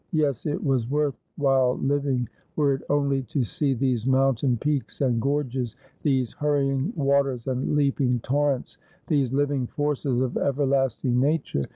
Yes, it was worth while living, were it only to see these mountain peaks and gorges ; these hurrying waters and leaping torrents ; these living forces of everlasting Nature.